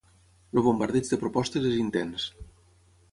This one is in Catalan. El bombardeig de propostes és intens.